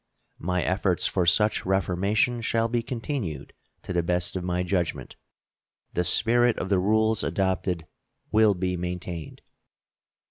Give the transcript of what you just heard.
My efforts for such reformation shall be continued to the best of my judgment. The spirit of the rules adopted will be maintained.